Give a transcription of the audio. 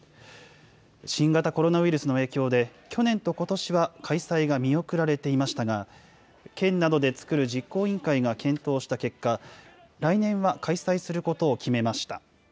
新型コロナウイルスの影響で、去年とことしは、開催が見送られていましたが、県などで作る実行委員会が検討した結果、来年は開催することを決めました。